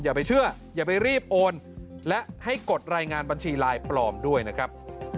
อย่าไปเชื่ออย่าไปรีบโอนและให้กดรายงานบัญชีลายปลอมด้วยนะครับ